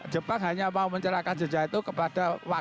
jepang hanya mau mencerahkan jejak itu kepada wakil